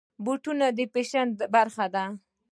بوټونه د فیشن برخه ده.